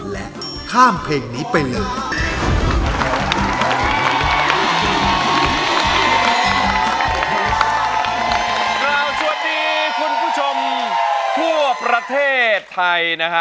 และข้ามเพลงนี้ไปเลย